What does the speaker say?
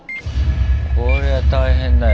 こりゃ大変だよ。